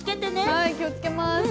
はい、気をつけます。